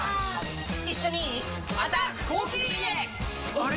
あれ？